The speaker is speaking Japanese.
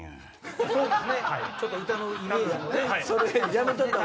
ちょっと歌のイメージも。